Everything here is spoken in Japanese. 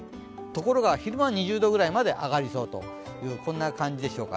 ところが昼間は２０度ぐらいまで上がりそうという感じです。